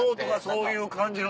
そういう感じの。